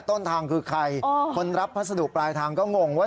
ต้นทางคือใครคนรับพัสดุปลายทางก็งงว่า